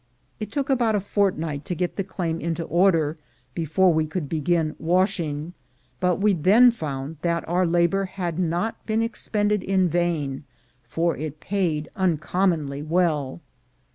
It took about a fortnight to get the claim into order before we could begin washing, but we then found that our labor had not been expended in vain, for it paid un commonly well.